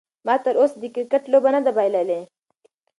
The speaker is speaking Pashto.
ما تر اوسه د کرکټ لوبه نه ده بایللې.